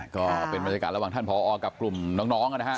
ก็เป็นบรรยากาศระหว่างท่านผอกับกลุ่มน้องนะฮะ